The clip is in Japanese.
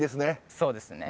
そうですね。